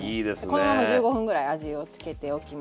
このまま１５分ぐらい味をつけておきます。